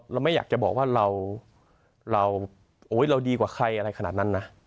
เราไม่อยากจะบอกว่าเราดีกว่าใครอะไรขนาดนั้นนะ